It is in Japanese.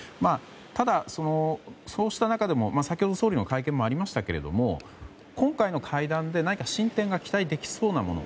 ただ、そうした中でも先ほどの総理の会見でもありましたけれども今回の会談で進展が期待できそうなもの。